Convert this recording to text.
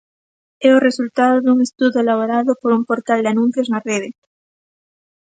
É o resultado dun estudo elaborado por un portal de anuncios na rede.